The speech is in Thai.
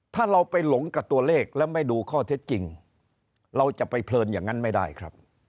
ถ้าเราไปหลงกับตัวเลขแล้วไม่ดูข้อเท็จจริงเราจะไปเพลินอย่างนั้นไม่ได้ครับ